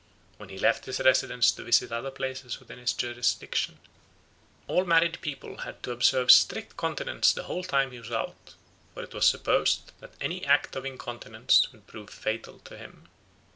When he left his residence to visit other places within his jurisdiction, all married people had to observe strict continence the whole time he was out; for it was supposed that any act of incontinence would prove fatal to him.